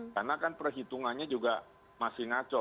karena kan perhitungannya juga masih ngaco